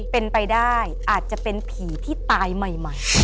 เป็นไปได้อาจจะเป็นผีที่ตายใหม่